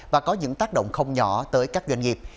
và có những tác động không nhỏ tới các doanh nghiệp